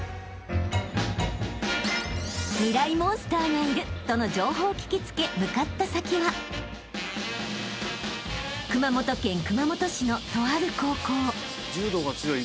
モンスターがいるとの情報を聞きつけ向かった先は熊本県熊本市のとある高校］